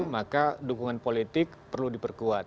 maka dukungan politik perlu diperkuat